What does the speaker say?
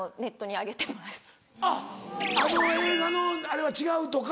あの映画のあれは違うとか。